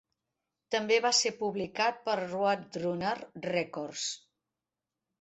També va ser publicat per Roadrunner Records.